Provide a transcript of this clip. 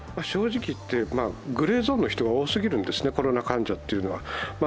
正直いって、グレーゾーンの人が多すぎるんですね、コロナ患者というのは。